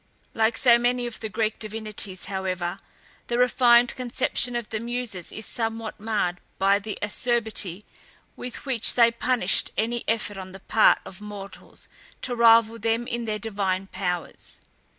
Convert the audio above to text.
Like so many of the Greek divinities, however, the refined conception of the Muses is somewhat marred by the acerbity with which they punished any effort on the part of mortals to rival them in their divine powers.